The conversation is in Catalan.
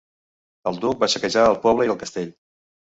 El duc va saquejar el poble i el castell.